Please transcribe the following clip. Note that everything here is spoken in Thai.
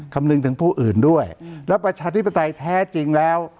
คำนึงถึงผู้อื่นด้วยแล้วประชาธิปไตยแท้จริงแล้ว